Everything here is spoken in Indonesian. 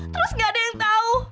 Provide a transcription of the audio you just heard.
terus gak ada yang tahu